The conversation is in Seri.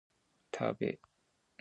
Haaco cop toii cösoofin caha.